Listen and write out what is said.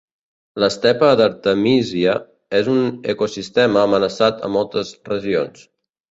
L'estepa d'artemísia és un ecosistema amenaçat a moltes regions.